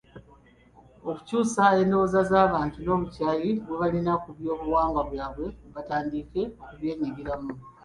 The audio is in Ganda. Okukyusa endowooza z’abantu n’obukyayi bwe balina ku byobuwangwa byabwe batandike okubyeyagaliramu.